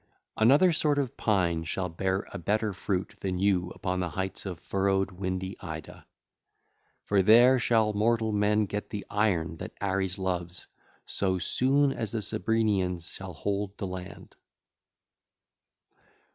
1 4) Another sort of pine shall bear a better fruit 2604 than you upon the heights of furrowed, windy Ida. For there shall mortal men get the iron that Ares loves so soon as the Cebrenians shall hold the land.